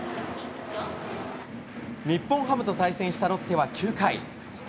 日本ハムと対戦したロッテは９回。